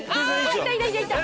いたいたいたいた！